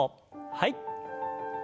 はい。